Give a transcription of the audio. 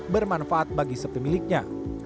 bermanfaat bagi sepemiliknya